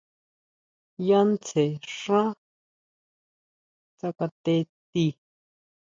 Yá tsjen xá tsakate tii.